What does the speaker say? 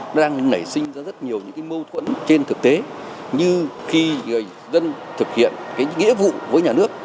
nó đang nảy sinh ra rất nhiều mâu thuẫn trên thực tế như khi người dân thực hiện nghĩa vụ với nhà nước